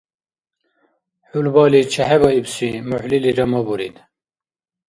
ХӀулбали чехӀебаибси мухӀлилира мабурид.